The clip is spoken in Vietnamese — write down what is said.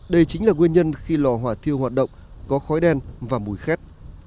đây chính là nguyên nhân khi lò hỏa thiêu hoạt động có khói đen và mùi khét